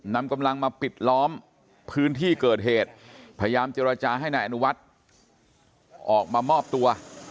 นำกำลังมาปิดล้อมพื้นที่เกิดเหตุพยายามเจรจาให้นายอนุวัฒน์ออกมามอบตัว